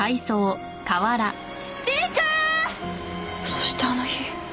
そしてあの日。